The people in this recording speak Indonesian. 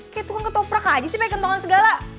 kayak itu kan ketoprak aja sih pake kentongan segala